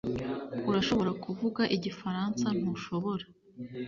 Urashobora kuvuga igifaransa ntushobora